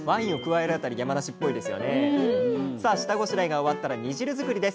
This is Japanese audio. さあ下ごしらえが終わったら煮汁作りです。